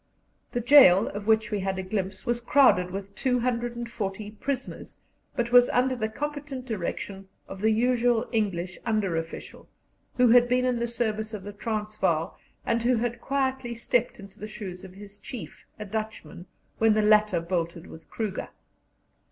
The gaol, of which we had a glimpse, was crowded with 240 prisoners, but was under the competent direction of the usual English under official, who had been in the service of the Transvaal, and who had quietly stepped into the shoes of his chief, a Dutchman, when the latter bolted with Kruger.